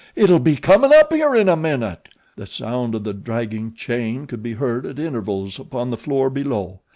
It'll be comin' up here in a minute." The sound of the dragging chain could be heard at intervals upon the floor below.